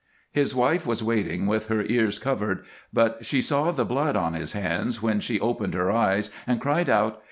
His wife was waiting with her ears covered, but she saw the blood on his hands when she opened her eyes, and cried out.